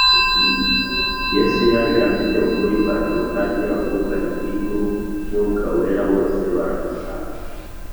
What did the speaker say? Yesu yaje afite ukuri mvajuru, kandi abumva ijwi ry’Umwuka Wera bose baramusanga